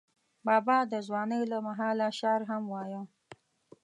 بابا د ځوانۍ له مهاله شعر هم وایه.